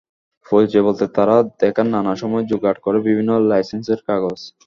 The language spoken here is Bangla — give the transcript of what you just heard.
পরিচয় বলতে তাঁরা দেখান নানা সময়ে জোগাড় করা বিভিন্ন লাইসেন্সের কাগজ।